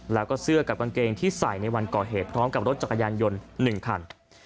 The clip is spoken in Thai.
แล้วก็เสื้อกับกางเกงที่ใส่ในวันก่อเหตุพร้อมกับรถจักรยานยนต์๑คัน